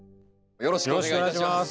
よろしくお願いします。